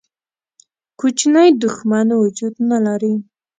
کوچنی دښمن وجود نه لري.